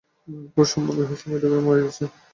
খুব সম্ভব, ইহার স্বামী ডুবিয়া মরিয়াছে।